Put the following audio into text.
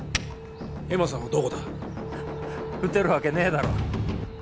恵茉さんはどこだ撃てるわけねえだろ